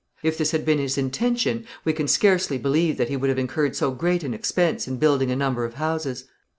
If this had been his intention, we can scarcely believe that he would have incurred so great an expense in building a number of houses.